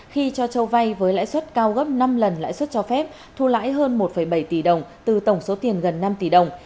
khi cho vay với lãi suất cao gấp năm lần lãi suất cho phép thu lãi hơn một bảy tỷ đồng từ tổng số tiền gần năm tỷ đồng